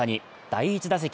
第１打席。